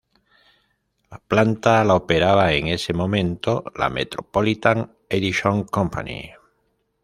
La planta la operaba en ese momento la Metropolitan Edison Company.